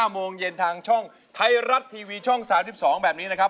โมงเย็นทางช่องไทยรัฐทีวีช่อง๓๒แบบนี้นะครับ